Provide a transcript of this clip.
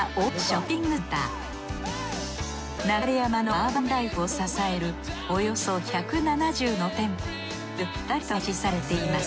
流山のアーバンライフを支えるおよそ１７０の店舗がゆったりと配置されています。